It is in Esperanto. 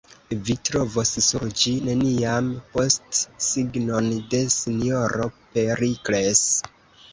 Vi trovos sur ĝi nenian postsignon de S-ro Perikles.